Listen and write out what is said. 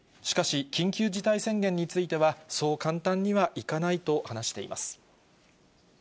しかし、緊急事態宣言については、そう簡単にはいかないと話しています。